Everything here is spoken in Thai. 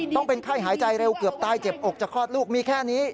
ต้องเป็นไข้หายใจเร็วเกือบตายเจ็บอกจะคลอดลูกมีแค่นี้